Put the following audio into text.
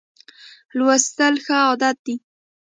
لوستل ښه عادت دی.